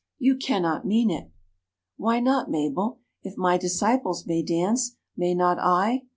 You cannot mean it!' "'Why not, Mabel? If my disciples may dance, may not I?